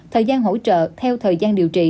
thời gian hỗ trợ theo thời gian điều trị